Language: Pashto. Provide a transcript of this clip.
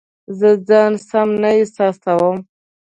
زه ځان سم نه احساسوم